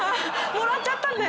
もらっちゃったんで！